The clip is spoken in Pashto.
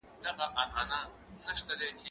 زه پرون کالي مينځل؟